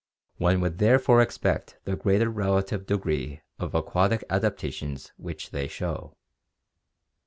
One would therefore expect the greater relative degree of aquatic adaptation which they show.